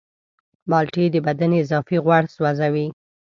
مالټې د بدن اضافي غوړ سوځوي.